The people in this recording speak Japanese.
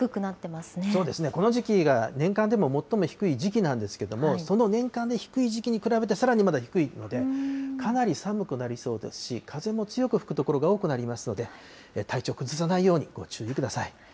そうですね、この時期が年間でも最も低い時期なんですけれども、その年間で低い時期に比べてさらにまだ低いので、かなり寒くなりそうですし、風も強く吹く所が多くなりますので、体調崩さないようにご注意ください。